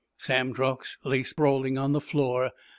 Sam Truax lay sprawling on the floor.